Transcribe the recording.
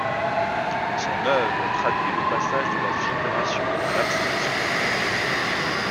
Son œuvre traduit le passage de la figuration à l'abstraction.